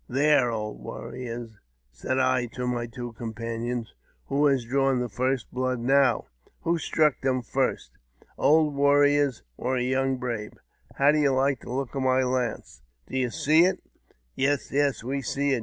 There, old warriors," said I to my two companions, " who has dravm the first blood now ? W^ho struck them first ? Old warriors, or a young brave? How do you like the look of my lance ? Do you see it ?"" Yes, yes, we see it.